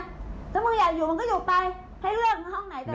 ถ้ามึงอยากอยู่มึงก็อยู่ไป